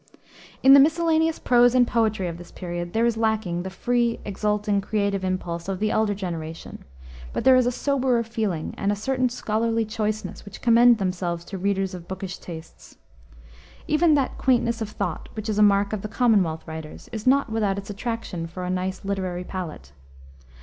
In the miscellaneous prose and poetry of this period there is lacking the free, exulting, creative impulse of the elder generation, but there is a soberer feeling and a certain scholarly choiceness which commend themselves to readers of bookish tastes. Even that quaintness of thought, which is a mark of the Commonwealth writers, is not without its attraction for a nice literary palate.